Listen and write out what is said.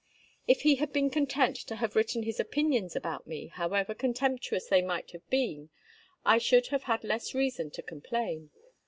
If he had been content to have written his opinions about me, however contemptuous they might have been, I should have had less reason to complain.